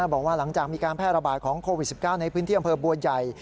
บอกว่าหลังจากมีการแพร่ระบาดของโควิด๑๙ในพื้นที่อำเภอบัวใหญ่